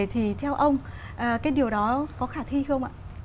thì theo ông cái điều đó có khả thi không ạ